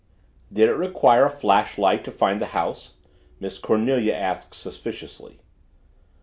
"Did it require a flashlight to find the house?" Miss Cornelia asked suspiciously.